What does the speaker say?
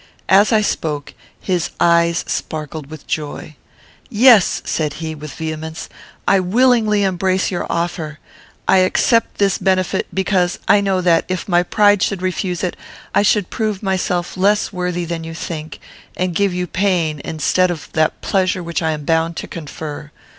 As I spoke, his eyes sparkled with joy. "Yes," said he, with vehemence, "I willingly embrace your offer. I accept this benefit, because I know that, if my pride should refuse it, I should prove myself less worthy than you think, and give you pain, instead of that pleasure which I am bound to confer.